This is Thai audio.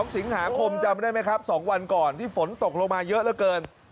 ๒สิงหาคมจำได้ไหมครับ๒วันก่อนที่ฝนตกลงมาเยอะเหลือเกิน